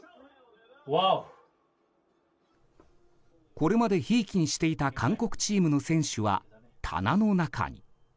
これまでにひいきにしていた韓国チームの選手は棚の中に。